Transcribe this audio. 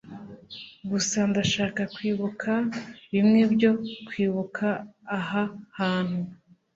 gusa ndashaka kwibuka bimwe byo kwibuka aha hantu